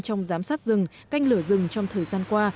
trong giám sát rừng canh lửa rừng trong thời gian qua